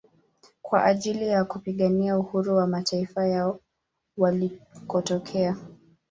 Kwa ajili ya kupigania uhuru wa mataifa yao walikotokea